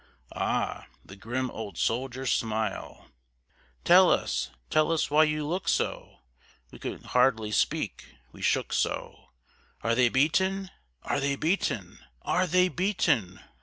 Ah! the grim old soldier's smile! "Tell us, tell us why you look so?" (we could hardly speak, we shook so), "Are they beaten? Are they beaten? ARE they beaten?"